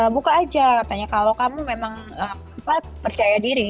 buka aja katanya kalau kamu memang percaya diri